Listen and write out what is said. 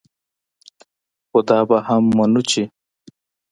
خو دا به هم منو چې